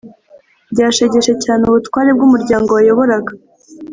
byashegeshe cyane ubutware bw’umuryango wayoboraga.